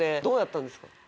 どうやったんですか？